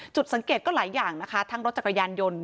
จุดสังเกตก็หลายอย่างนะคะทั้งรถจักรยานยนต์